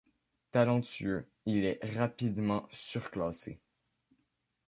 Talentueux, il est rapidement surclassé.